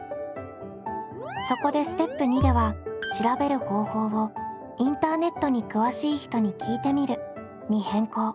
そこでステップ２では調べる方法を「インターネットに詳しい人に聞いてみる」に変更。